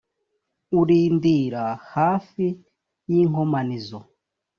urindira hafi y inkomanizo